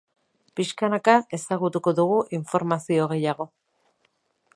Pixkanaka ezagutuko dugu informazio gehiago.